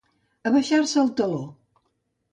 Abaixar-se el teló.